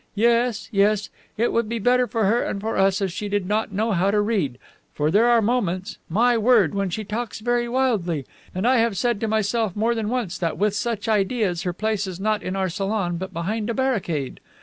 Yes, yes; it would be better for her and for us if she did not know how to read, for there are moments my word! when she talks very wildly, and I have said to myself more than once that with such ideas her place is not in our salon hut behind a barricade.